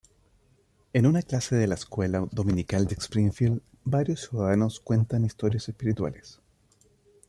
En una clase de la escuela dominical de Springfield, varios ciudadanos cuentan historias espirituales.